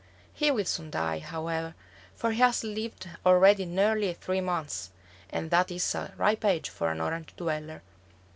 He will soon die, however, for he has lived already nearly three months, and that is a ripe age for an Orange dweller.